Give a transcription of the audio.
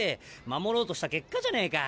守ろうとした結果じゃねえか。